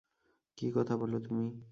কী কথা বল তুমি।